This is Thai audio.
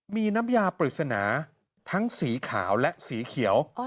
มีน้ำยาปริศนาทั้งสีขาวและสีเขียว